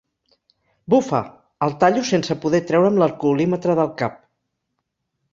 Bufa! —el tallo, sense poder treure'm l'alcoholímetre del cap.